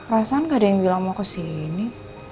rasanya nggak ada yang bilang mau kesini